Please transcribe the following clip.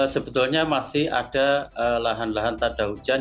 sebetulnya masih ada lahan lahan tanda hujan